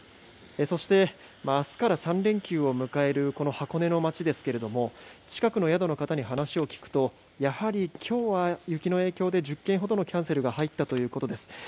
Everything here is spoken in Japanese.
そして、明日から３連休を迎える箱根の町ですけども近くの宿の方に話を聞くとやはり、今日は雪の影響で１０件ほどのキャンセルが入ったということです。